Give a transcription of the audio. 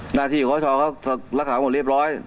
หน้าที่ของพระเจ้าเขารักษาหมดเรียบร้อย